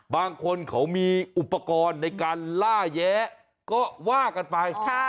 บางคนเขามีอุปกรณ์ในการล่าแย้ก็ว่ากันไป